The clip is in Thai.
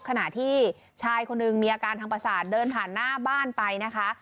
ขณะที่ชายคนหนึ่งมีอาการทางประสาทเดินผ่านหน้าบ้านไปนะคะ